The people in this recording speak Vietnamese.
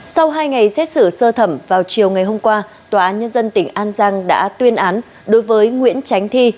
sau hai ngày xét xử sơ thẩm vào chiều ngày hôm qua tòa án nhân dân tỉnh an giang đã tuyên án đối với nguyễn tránh thi